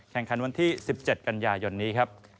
แข่งกันวันที่๑๗กันยายนนี้